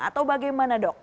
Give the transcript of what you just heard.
atau bagaimana dok